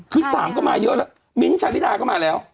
คือ๓ก็มาเยอะแล้วมิ้นท์ชาลิดาก็มาแล้ว